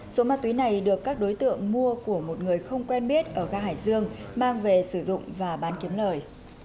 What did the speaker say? số ma túy này được các đối tượng mua của một người không quen biết ở gà hải dương mang về sử dụng và bán kiếm lời